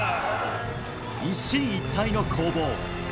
一進一退の攻防。